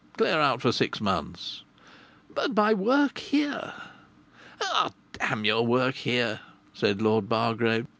Clear out for six months." "But my work here?" "D n your work here!" said Lord Bargrave.